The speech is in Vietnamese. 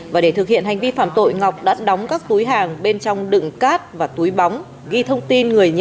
và để thực hiện hành vi phạm tội ngọc đã đóng các túi hàng bên trong đựng cát và túi bóng ghi thông tin người nhận